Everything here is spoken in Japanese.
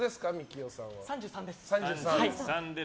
３３歳です。